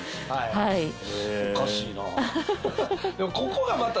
はいおかしいなハハハ